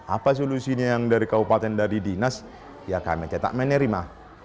apa solusinya yang dari kabupaten dari dinas ya kami cetak menerima